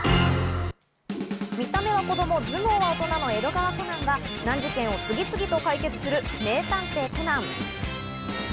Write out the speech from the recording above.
見た目は子供、頭脳は大人の江戸川コナンが難事件を次々と解決する『名探偵コナン』。